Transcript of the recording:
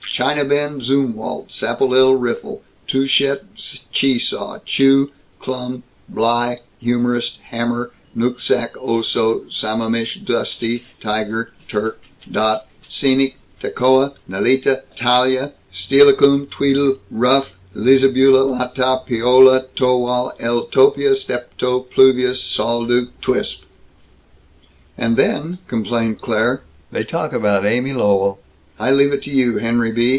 China Bend, Zumwalt, Sapolil, Riffle, Touchet, Chesaw, Chew, Klum, Bly, Humorist, Hammer, Nooksack, Oso, Samamish, Dusty, Tiger, Turk, Dot, Scenic, Tekoa, Nellita, Attalia, Steilacoom, Tweedle, Ruff, Lisabeula, Latah, Peola, Towal, Eltopia, Steptoe, Pluvius, Sol Duc, Twisp! "And then," complained Claire, "they talk about Amy Lowell! I leave it to you, Henry B.